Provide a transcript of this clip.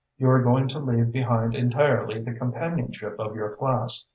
You are going to leave behind entirely the companionship of your class.